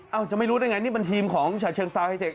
เอ้าจะไม่รู้ได้ไงนี่มันทีมของฉาเชิงซาวไฮเทค